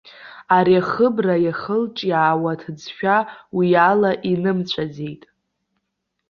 Ари ахыбра иахылҿиаауа аҭыӡшәа уи ала инымҵәаӡеит.